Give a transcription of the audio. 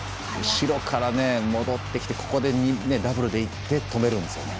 後ろから戻ってきてダブルでいって止めるんですよね。